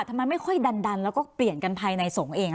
ทำไมไม่ค่อยดันแล้วก็เปลี่ยนกันภายในสงฆ์เอง